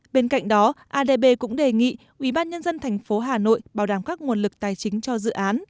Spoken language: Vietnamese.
bên cạnh đó adb cũng đề nghị ubnd tp hà nội bảo đảm các nguồn lực tài chính cho dự án